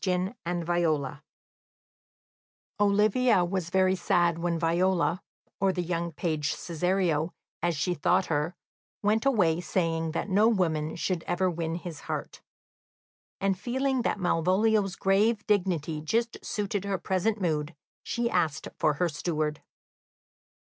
Yellow Stockings Olivia was very sad when Viola, or the young page Cesario, as she thought her, went away saying that no woman should ever win his heart; and feeling that Malvolio's grave dignity just suited her present mood, she asked for her steward.